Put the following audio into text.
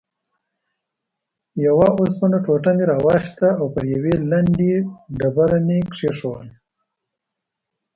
یوه اوسپنه ټوټه مې راواخیسته او پر یوې لندې ډبره مې کېښووله.